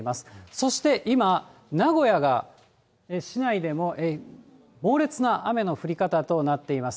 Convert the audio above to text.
そして今、名古屋が、市内でも猛烈な雨の降り方となっています。